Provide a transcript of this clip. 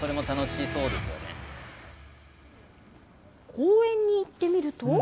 公園に行ってみると。